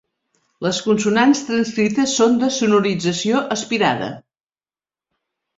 Les consonants transcrites són de sonorització aspirada.